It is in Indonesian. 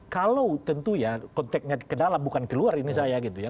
kalau tentu ya konteknya ke dalam bukan keluar ini saya gitu ya